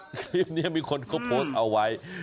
คลิปนี้มีคนเขาโพสต์เอาไว้